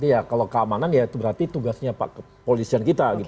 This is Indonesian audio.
seperti ya kalau keamanan ya itu berarti tugasnya pak kepolisian kita